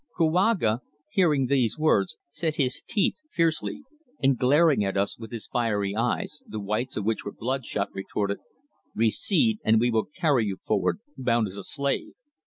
Kouaga, hearing these words, set his teeth fiercely, and glancing at us with his fiery eyes, the whites of which were bloodshot, retorted: "Recede, and we will carry you forward, bound as a slave."